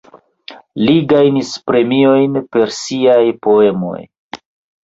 Li gajnis premiojn per siaj poemoj.